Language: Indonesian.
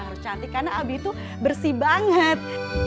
harus cantik karena abi itu bersih banget